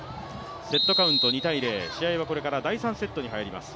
セットカウント２−０、試合はこれから第３セットに入ります。